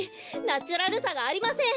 ナチュラルさがありません！